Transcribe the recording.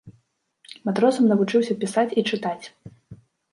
Матросам навучыўся пісаць і чытаць.